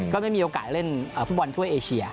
ไม่มีโอกาสเล่นฟุตบอลทั่วเอเชีย